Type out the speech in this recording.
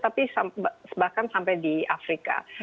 tapi bahkan sampai di afrika